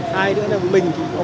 hai nữa là mình thì có muốn